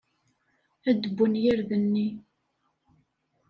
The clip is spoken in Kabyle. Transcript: Ad wwen yirden-nni.